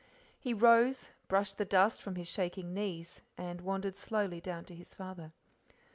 He rose, brushed the dust from his shaking knees, and walked slowly down to his father.